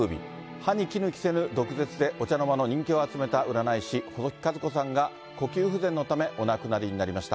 歯にきぬ着せぬ毒舌でお茶の間の人気を集めた占い師、細木数子さんが、呼吸不全のためお亡くなりになりました。